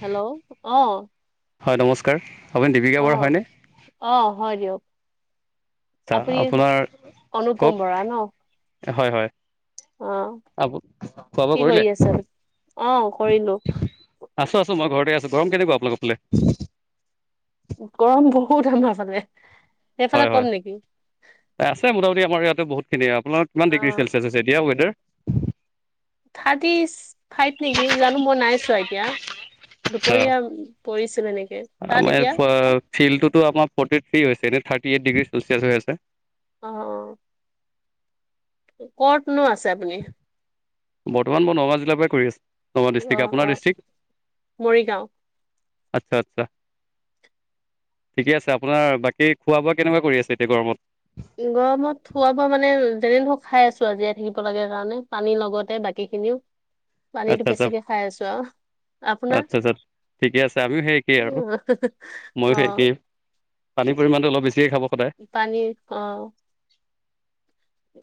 Hello অ। হয় নমস্কাৰ আপুনি অ দীপিকা বৰা হয়নে? অ হয় দিয়ক আচ্ছা। আপুনি আপোনাৰ অনুপম কওক। বৰা ন হয় হয়। অ অ খোৱা বোৱা কি কৰি কৰিলে? আছে অ কৰিলো আছো আছো মই ঘৰতে আছো। গৰম কেনেকুৱা আপোনালোক ফালে? গৰম বহুত আমাৰ ফালে। সেইফালে হয় কম হয় নেকি আছে মোটামুটি আমাৰ ইয়াত। বহুতখিনি আপোনাৰ কিমান অ ডিগ্ৰী চেলছিয়াছ আছে এতিয়া ৱেডাৰ? থাৰ্টি ফাইভ নেকি? জানো মই নাই চোৱা এতিয়া। আ। দুপৰীয়া পৰিছিলে নেকি তাত আমাৰ এতিয়া ফিল্ডটোতো আমাৰ ফৰ্টি থ্ৰী হৈছে। এনে থাৰ্টি এইট ডিগ্ৰী চেলচিয়াছ হৈ আছে। অ অ। কতনো আছে আপুনি? বৰ্তমান মই নগাঁও জিলাৰ পৰাই কৈ আছো। ন গাওঁ অ দিষ্টিক অ আপোনাৰ ডিষ্ট্ৰিক্? মৰিগাঁও আচ্ছা আচ্ছা। ঠিকে আছে আপোনাৰ বাকী খোৱা বোৱা কেনেকুৱা কৰি আছে এতিয়া গৰমত। গৰমত খোৱা বোৱা মানে যেনে ধৰক খাই আছো আজিয়াই থাকিব লাগে কাৰণে পানী লগতে বাকী সেইখিনিও। পানীতো আচ্ছা আচ্ছা বেছিকে খাই আছো আও। আচ্ছা আচ্ছা ঠিকে আছে। আমিও সেই একেই আৰু। ময়ো সেই অ একে। পানীৰ পৰিমাণটো অলপ বেছি। পানীৰ অ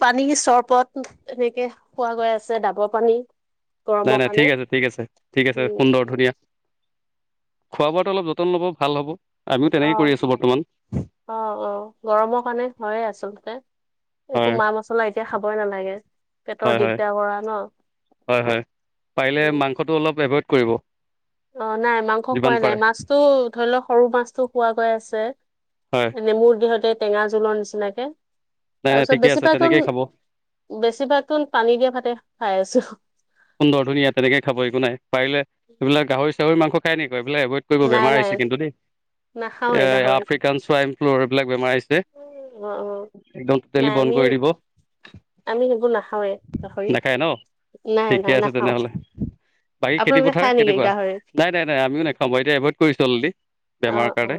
পানী চৰবত এনেকে খোৱা গৈ আছে ডাবৰ পানী নাই গৰমৰ নাই কাৰণে ঠিক আছে ঠিক আছে ঠিক আছে উম সুন্দৰ ধুনীয়া খোৱা বোৱটো অলপ যতন ল'ব ভাল হ'ব আমিও তেনেকে কৰি অহ আছোঁ বৰ্তমান অ অ গৰমৰ কাৰণে হয়েই আচলতে একো হয় মা মছলা এতিয়া খাবই নালাগে। পেটৰ হয় হয় দিগদাৰ কৰা ন হয় হয় পাৰিলে উ মাংসটো অলপ এভইড কৰিব অ নাই মাংস যিমান খোৱাই নাই পাৰে মাছটো ধৰি লওক সৰু মাছটো খোৱা গৈ আছে। হয় এনে মোৰ দেহতে টেঙা জোলৰ নিচিনাকে। নাই তাৰ নাই পিছত ঠিকে আছে বেছিভাগ তেনেকেই খাব বেছিভাগ পানী দিয়া ভাতে খাই আছো। সুন্দৰ ধুনীয়া তেনেকে খাব একো নাই পাৰিলে এইবিলাক গাহৰি চাহৰি মাংস খাই নেকি। গৈ পেলাই এভইড কৰিব নাই বেমাৰ নাই আহিছে কিন্তু দেই। নাখাওৱে এ গাহৰি আফ্ৰিকান চোৱাইন ফ্লু এইবিলাক বেমাৰ আহিছে। অ অ একদম নাই তেলি আমি বন্ধ কৰি দিব। আমি সেইবোৰ নাখাওৱে গাহৰি নাখায় ন নাই। ঠিকে নাই আছে নাখাওঁ তেনেহ'লে। বাকী খেতি আপোনালোকে পথাৰ খাই নেকি কেনেকোৱা গাহৰি নাই নাই নাই আমিও নাখাওঁ বাৰু এতিয়া এভইড কৰিছো অলৰেদি অ অ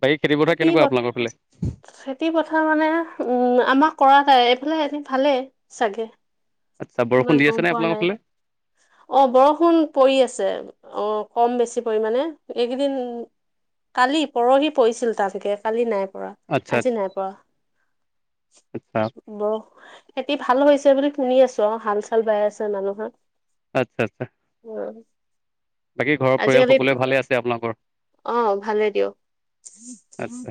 বাকী পথাৰ খেতি কেনেকুৱা প আপোনালোকৰ ফালে খেতি পথাৰ মানে উম আমাক কৰা নাই এইফালে এ ভালেই চাগে। আচ্ছা বৰষুণ ইমান দি গম আছে নে পোৱা আপোনালোকৰ নাই ফালে? অ বৰষুণ পৰি আছে অ কম বেছি পৰিমাণে এইকেইদিন কালি পৰহি পৰিছিল টানকে কালি নাই পৰা আচ্ছা আজি আচ্ছা নাই পৰা আচ্ছা ব খেতি ভাল হৈছে বুলি শুনি আছো আৰু হাল চাল বাই আছে মানুহৰ আচ্ছা আচ্ছা উ বাকী ঘৰৰ পৰিয়াল আজিকালি সকলোৱে ভালে আছে আপোনালোকৰ? অ ভালেই দিয়ক আচ্ছা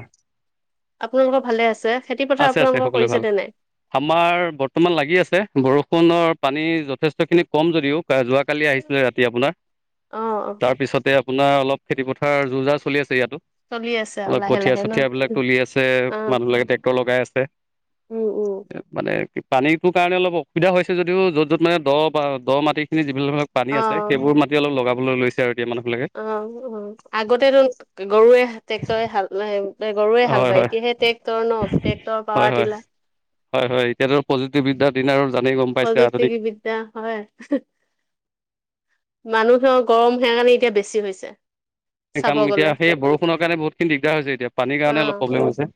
আপোনালোকৰ ভালে আছে? খেতি পথাৰ আছে আছে আপোনালোকৰ সকলোৱে ভাল কৰিছেনে নাই আমাৰ বৰ্তমান লাগি আছে বৰষুণৰ পানী যথেষ্টখিনি কম যদিও যোৱাকালি আহিছিলে ৰাতি আপোনাৰ অ অ তাৰপিছতে আপোনাৰ অলপ খেতি পথাৰ যোৰ যাৰ চলি আছে ইয়াত চলি আছে আৰু অলপ লাহে কঠিয়া লাহে ন চঠিয়া বিলাক তুলি আছে অ মানুহ বিলাকে লগাই আছে উম উম মানে পানীটোৰ কাৰণে অলপ অসুবিধা হৈছে যদিও য'ত য'ত মানে দ বা দ মাটিখিনি বিভিন্ন ধৰক পানী অ আছে সেইবোৰ মাটি অলপ লগাব লৈছে আৰু এতিয়া মানুহবিলাকে অ অ আগতেতো গৰুৱে টেক্টৰে হাল গৰুৱে হাল হয় বায় হয় এতিয়া সে ট্ৰেক্টৰ ন ট্ৰেক্টৰ হয় পাৱাৰ হয় তিলা হয় হয় এতিয়াতো পজিটি বিদ্যাৰ দিন আৰু জানেই গম পাইছে প্ৰযুক্তি আধুনিক বিদ্যা হয় মানুহৰ গৰম সেকাৰণে এতিয়া বেছি হৈছে সেই চাব কাৰণে এতিয়া গলে সেই বৰষুণৰ কাৰণে বহুতখিনি দিগদাৰ হৈছে এতিয়া পানীৰ অ কাৰণে অলপ প্ৰব্লেম হৈছে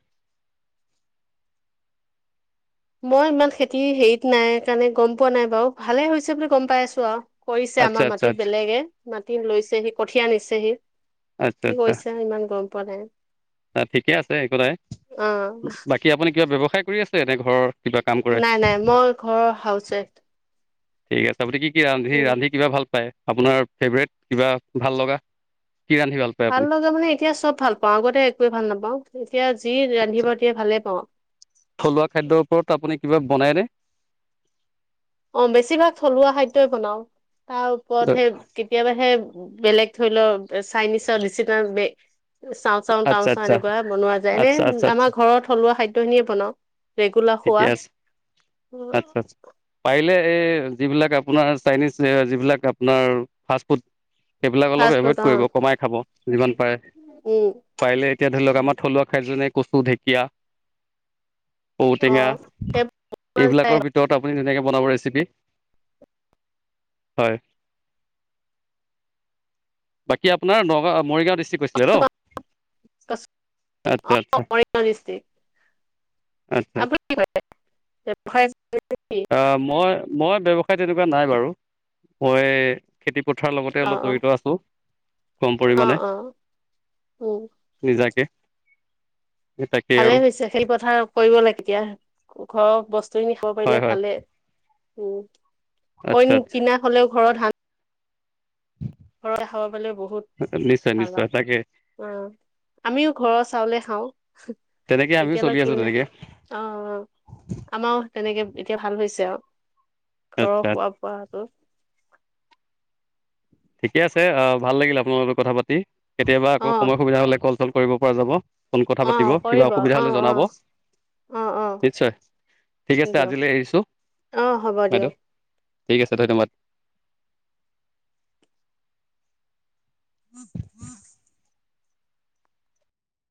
মই ইমান খেতি হেৰিত নাই কাৰণে গম পোৱা নাই বাৰু ভালে হৈছে বুলি গম পাই আছো আৰু কৰিছে আচ্ছা আমাৰ আচ্ছা মাটিত আচ্ছা বেলেগে মাটি লৈছেহি কঠীয়া নিছেহি আচ্ছা কি আচ্ছা কৈছা ইমান গম পোৱা নাই ঠিকে আছে একো নাই অ বাকী আপুনি কিবা ব্যৱসায় কৰি আছে এনে ঘৰৰ কিবা কাম কৰে নাই নাই মই ঘৰৰ হাউচ ৱাইফ ঠিক আছে আপুনি কি ৰান্ধি উম ৰান্ধি কিবা ভাল পায় আপোনাৰ ফেভৰেট কিবা ভাল লগা কি ৰান্ধি পায় ভাল আপুনি লগা মানে এতিয়া চব ভাল পাওঁ আগতে একোৱে ভাল নাপাওঁ এতিয়া যি ৰান্ধিব দিয়ে ভালে পাওঁ থলুৱা খাদ্যৰ ওপৰত আপুনি কিবা বনাইনে? অ বেছিভাগ থলুৱা খাদ্যই বনাও তাৰ ওপৰত সে কেতিয়াবা সে বেলেগ ধৰি লওক চাইনিজৰ চাওঁ চাওঁ তাও আচ্ছা চাওঁ আচ্ছা এনেকুৱা বনোৱা যায় এনে আচ্ছা আচ্ছা আচ্ছা আমাৰ ঘৰত থলুৱা খাদ্য খিনিয়ে বনাওঁ। ৰেগুলাৰ ঠিকে খোৱা আছে আচ্ছা আচ্ছা পাৰিলে এই যিবিলাক আপোনাৰ চাইনিজ যিবিলাক আপোনাৰ ফাষ্ট ফুড সেইবিলাক অলপ ফাষ্ট এফেক ফুড অ কৰিব কমাই খাব যিমান পাৰে উম পাৰিলে এতিয়া। ধৰি লওক আমাৰ থলুৱা খাদ্য যে কচু ঢেকীয়া অ ঔটেঙা এইবিলাকৰ ভিতৰত আপুনি তেনে বনাব ৰেছিপি। হয়। বাকী আপোনাৰ নগাঁও! মৰিগাঁও ডিষ্ট্ৰিক কৈছিলে ন? আচ্ছা আচ্ছা অ আচ্ছা আচ্ছা মই মই ব্যৱসায় তেনেকুৱা নাই বাৰু। মই খেতিপথাৰ লগতে অ অলপ অ জড়িত আছোঁ কম অ পৰিমাণে। অ উম নিজাকে তাকেই ভালে আৰু হৈছে খেতি পথাৰ কৰিব লাগে কেতিয়া ঘৰৰ বস্তু খাব হয় পাৰিলে হয় ভালে উ আচ্ছা অইন আচ্ছা কিনা হলেও ঘৰত ধান ঘৰতে খাব পালে বহুত নিশ্চয় ভাল নিশ্চয় তাকে আৰু অ আমিও ঘৰৰ চাউলে খাওঁ তেনেকে আমিও চলি এতিয়ালৈকে আছোঁ তেনেকে অ আমাৰ তেনেকে এতিয়া ভাল হৈছে আৰু ঘৰৰ আচ্ছা খোৱা বোৱাটো। ঠিকে আছে আহ ভাল লাগিল আপোনাৰ লগত কথা পাতিম কেতিয়াবা অ আকৌ সময় সুবিধা হলে কল চল কৰিব পৰা যাব। ফোন কথা অ পাতিব কিবা কৰিব অসুবিধা অ হলে অ জনাব। অ অ নিশ্চয় ঠিক আছে দিয়ক আজিলৈ আহিছো অ হ'ব দিয়ক বাইদেউ। ঠিক আছে ধন্যবাদ। উম উম